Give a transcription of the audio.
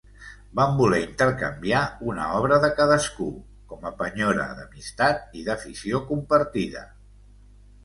Van voler intercanviar una obra de cadascú, com a penyora d'amistat i d'afició compartida.